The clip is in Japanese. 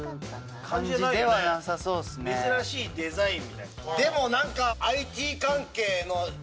珍しいデザインみたいな。